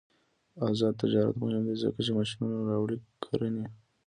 آزاد تجارت مهم دی ځکه چې ماشینونه راوړي کرنې.